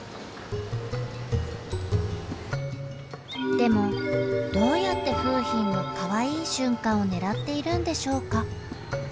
でもどうやって楓浜の「かわいい」瞬間を狙っているんでしょうか。